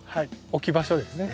置き場所ですね